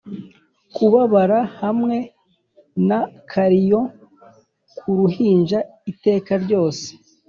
kubabara hamwe na karrion, kuruhinja iteka ryose,